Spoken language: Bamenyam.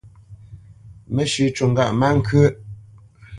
Mə́shʉ̄ cû ŋgâʼ má ŋkyə́ʼ.